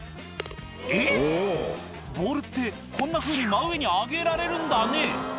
えっ⁉ボールってこんなふうに真上に上げられるんだね